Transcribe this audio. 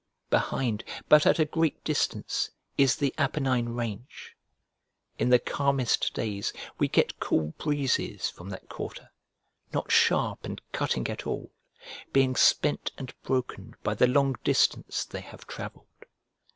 Behind, but at a great distance, is the Apennine range. In the calmest days we get cool breezes from that quarter, not sharp and cutting at all, being spent and broken by the long distance they have travelled.